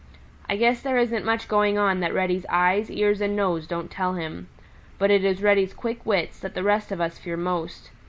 I guess there isn't much going on that Reddy's eyes, ears and nose don't tell him. But it is Reddy's quick wits that the rest of us fear most.